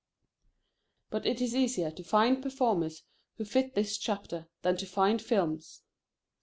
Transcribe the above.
But it is easier to find performers who fit this chapter, than to find films.